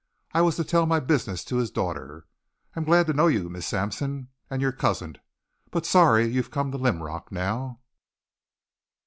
I was to tell my business to his daughter. I'm glad to know you, Miss Sampson and your cousin, but sorry you've come to Linrock now."